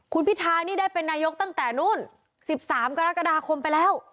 คุณพิทานี่ได้เป็นนายกตั้งแต่นู้น๑๓กรกฎาคมไปแล้ว